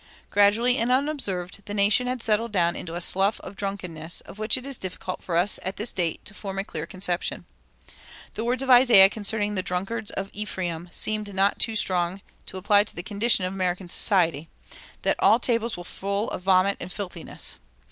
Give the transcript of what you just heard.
Gradually and unobserved the nation had settled down into a slough of drunkenness of which it is difficult for us at this date to form a clear conception. The words of Isaiah concerning the drunkards of Ephraim seem not too strong to apply to the condition of American society, that "all tables were full of vomit and filthiness."